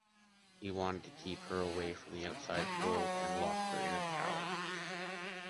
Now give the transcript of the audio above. He wanted to keep her away from the outside world and locked her in a tower.